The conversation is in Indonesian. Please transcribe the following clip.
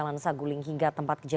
mendatangi lokasi rekonstruksi ya